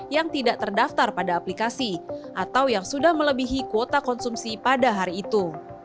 yang tidak terdaftar pada aplikasi atau yang sudah melebihi kuota konsumsi pada hari itu